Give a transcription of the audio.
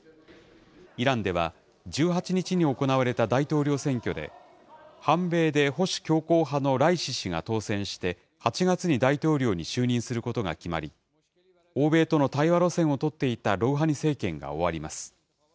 イランでは、１８日に行われた大統領選挙で、反米で保守強硬派のライシ師が当選して８月に大統領に就任することが決まり、欧米との対話路線を取っていたロウハニ政権が終わります。